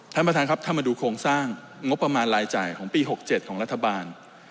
ท่านประธานครับถ้ามาดูโครงสร้างงบประมาณรายจ่ายของปี๖๗ของรัฐบาล